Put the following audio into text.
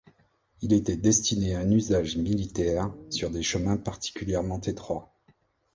Il était destiné à un usage militaire sur des chemins particulièrement étroits.